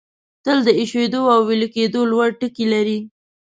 تل د ایشېدو او ویلي کېدو لوړ ټکي لري.